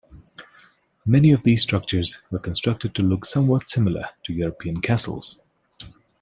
Many of these structures were constructed to look somewhat similar to European castles.